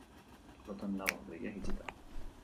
Lotan nago, begiak itxita.